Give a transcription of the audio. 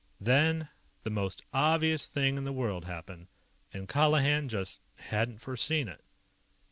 Then, the most obvious thing in the world happened and Colihan just hadn't foreseen it.